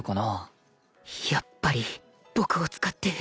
やっぱり僕を使って